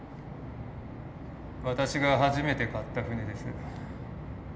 私が初めて買った船です。